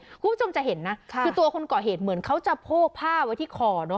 คุณผู้ชมจะเห็นนะคือตัวคนก่อเหตุเหมือนเขาจะโพกผ้าไว้ที่คอเนอะ